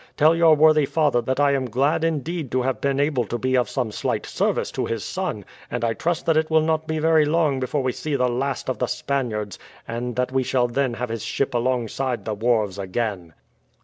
Tell your worthy father that I am glad indeed to have been able to be of some slight service to his son, and I trust that it will not be very long before we see the last of the Spaniards, and that we shall then have his ship alongside the wharves again."